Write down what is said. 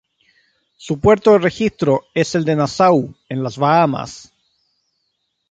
Su puerto de registro es el de Nassau, en las Bahamas.